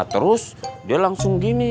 terus dia langsung gini